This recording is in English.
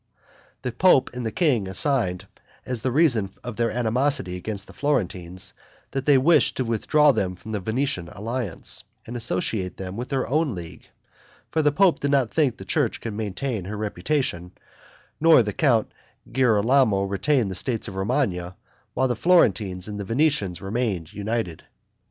The pope and the king assigned, as the reasons of their animosity against the Florentines, that they wished to withdraw them from the Venetian alliance, and associate them with their own league; for the pope did not think the church could maintain her reputation, nor the Count Girolamo retain the states of Romagna, while the Florentines and the Venetians remained united.